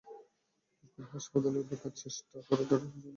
জোর করে হাসপাতালে ঢোকার চেষ্টা করায় তাঁকে সকালেই আটক করে পুলিশ।